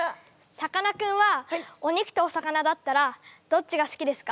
さかなクンはお肉とお魚だったらどっちが好きですか？